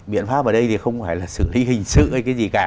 biện pháp ở đây thì không phải là xử lý hình sự hay cái gì cả